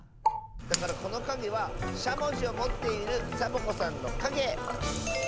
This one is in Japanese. だからこのかげはしゃもじをもっているサボ子さんのかげ！